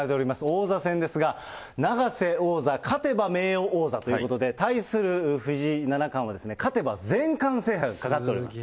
王座戦ですが、永瀬王座、勝てば名誉王座ということで、対する藤井七冠は、勝てば全冠制覇がかかっております。